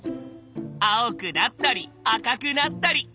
青くなったり赤くなったり。